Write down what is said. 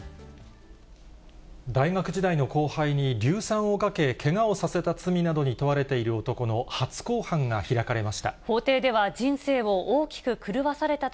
大学時代の後輩に硫酸をかけ、けがをさせた罪に問われている男の初公判が開かれました。